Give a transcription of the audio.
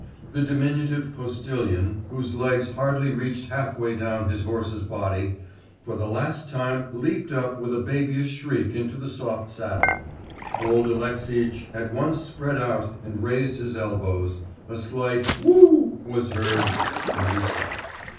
The diminutive postillion, whose legs hardly reached half way down his horses' body, for the last time leaped up with a babyish shriek into the soft saddle, old Alexeitch at once spread out and raised his elbows, a slight 'wo o' was heard, and we stopped.